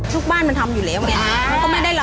ลูกบ้านมันทำอยู่แล้วเนี่ย